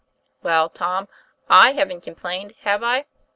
"Well, Tom, /haven't complained, have I?"